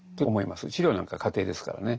治療なんかは過程ですからね。